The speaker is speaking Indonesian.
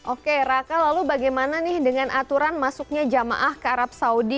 oke raka lalu bagaimana nih dengan aturan masuknya jamaah ke arab saudi